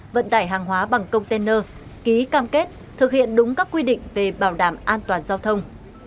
vận tải hàng hóa bằng container ký cam kết thực hiện đúng các quy định về bảo đảm an toàn giao thông